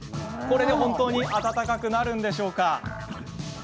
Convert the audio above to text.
これで本当に温かくなるんでしょうか？